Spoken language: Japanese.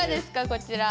こちら。